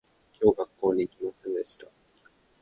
今日学校に行きませんでした